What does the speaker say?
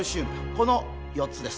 この４つです